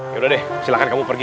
yaudah deh silahkan kamu pergi